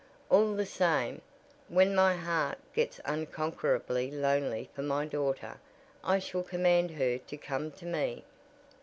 "All the same, when my heart gets unconquerably lonely for my daughter, I shall command her to come to me."